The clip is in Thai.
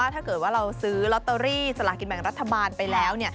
ถ้าเกิดว่าเราซื้อลอตเตอรี่สลากินแบ่งรัฐบาลไปแล้ว